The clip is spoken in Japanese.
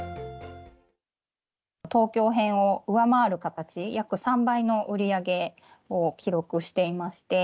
東京編を上回る形、約３倍の売り上げを記録していまして。